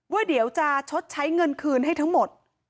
ว่าเดี๋ยวจะชดใช้เงินคืนให้ทั้งหมด